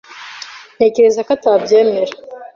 Ntekereza ko atabyemera